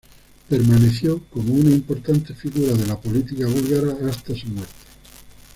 Permaneció como una importante figura de la política búlgara hasta su muerte.